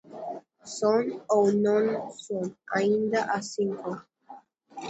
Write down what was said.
Son ou non son aínda as cinco?